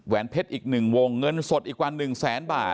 เพชรอีก๑วงเงินสดอีกกว่า๑แสนบาท